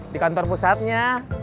di kantor pusatnya